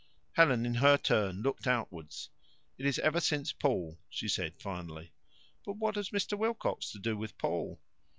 Helen, in her turn, looked outwards. "It is ever since Paul," she said finally. "But what has Mr. Wilcox to do with Paul?"